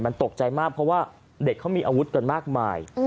มันตกใจมากเพราะว่าเด็กเขามีอาวุธกันมากมาย